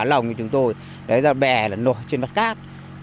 cát lồng như chúng tôi bè nó nổi trên mặt cát